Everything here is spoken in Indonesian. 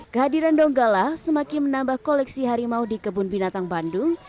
kehadiran donggala semakin menambah koleksi harimau di kebun binatang bandung